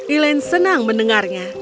elaine senang mendengarnya